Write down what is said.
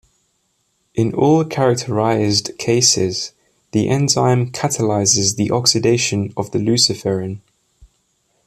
In all characterized cases, the enzyme catalyzes the oxidation of the luciferin.